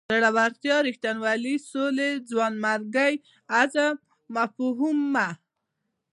زړورتیا رښتینولۍ سولې ځوانمردۍ عزم مفهومونه.